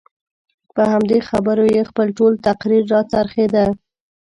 په همدې خبرو یې خپل ټول تقریر راڅرخېده.